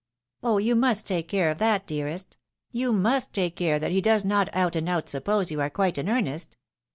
" Oh, you must take care of that, dearest ! you must take care that he does not out and out suppose you are quite in earnest.